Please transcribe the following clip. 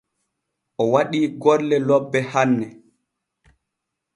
O waɗii golle lobbe hanne.